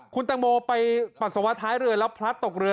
คุณตังโมไปปัสสาวะท้ายเรือแล้วพลัดตกเรือ